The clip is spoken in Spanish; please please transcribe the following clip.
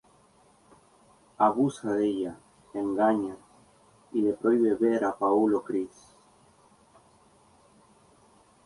Abusa de ella, la engaña y le prohíbe ver a Paul o Chris.